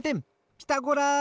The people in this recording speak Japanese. ピタゴラ！